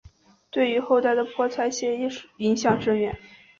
对于后代的泼彩写意影响深远。